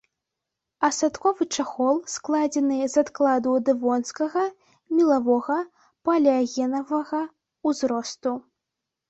Асадкавы чахол складзены з адкладаў дэвонскага, мелавога, палеагенавага ўзросту.